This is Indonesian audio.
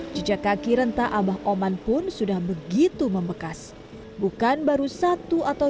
jejak kaki rentah abah oman pun sudah begitu membekas bukan baru satu atau